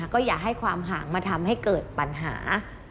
ก็อย่าให้ความห่างมาทำให้เกิดปัญหา